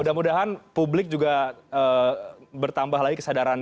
mudah mudahan publik juga bertambah lagi kesadaran